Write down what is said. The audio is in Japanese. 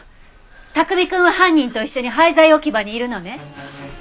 卓海くんは犯人と一緒に廃材置き場にいるのね。